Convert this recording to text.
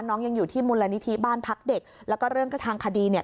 ยังอยู่ที่มูลนิธิบ้านพักเด็กแล้วก็เรื่องกับทางคดีเนี่ย